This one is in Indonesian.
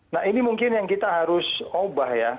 nah ini mungkin yang kita harus ubah ya